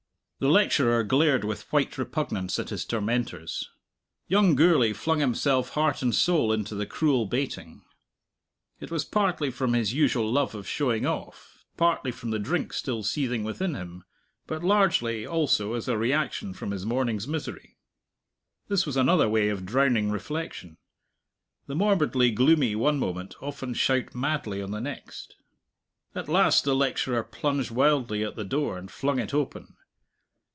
The lecturer glared with white repugnance at his tormentors. Young Gourlay flung himself heart and soul into the cruel baiting. It was partly from his usual love of showing off, partly from the drink still seething within him, but largely, also, as a reaction from his morning's misery. This was another way of drowning reflection. The morbidly gloomy one moment often shout madly on the next. At last the lecturer plunged wildly at the door and flung it open.